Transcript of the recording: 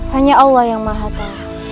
hanya allah yang maha kalah